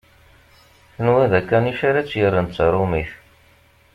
Tenwa d akanic ara tt-yerren d taṛumit.